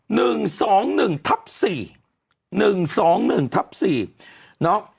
หนึ่งสองหนึ่งทับสี่หนึ่งสองหนึ่งทับสี่เนอะ